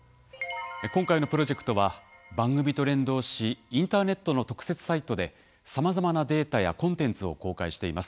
今回のプロジェクトは番組と連動しインターネットの特設サイトでさまざまなデータやコンテンツを公開しています。